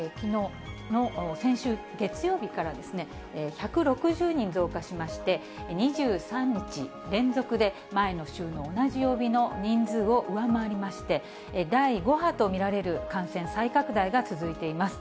先週月曜日から１６０人増加しまして、２３日連続で前の週の同じ曜日の人数を上回りまして、第５波と見られる感染再拡大が続いています。